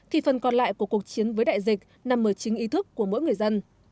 thì phần còn lại của cuộc chiến với đại dịch nằm ở chính ý thức của mỗi người dân